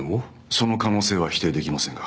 その可能性は否定できませんが。